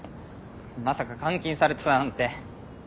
まさか監禁されてたなんて。